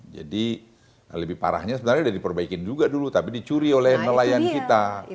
jadi lebih parahnya sebenarnya sudah diperbaikin juga dulu tapi dicuri oleh nelayan kita